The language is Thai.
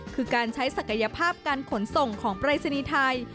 คือการใช้ศักยภาพการขนส่งของปรายศนีย์ไทย